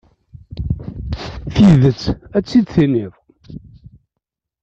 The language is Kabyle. Tidet, ad tt-id-tiniḍ.